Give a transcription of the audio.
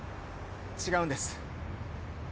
違うんです